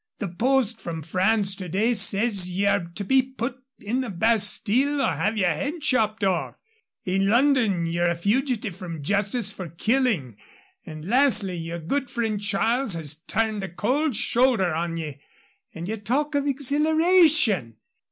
"The post from France to day says ye are to be put in the Bastile or have your head chopped off; in London ye're a fugitive from justice for killing; and, lastly, yer good friend Charles has turned a cold shoulder on ye. And ye talk of exhilaration!"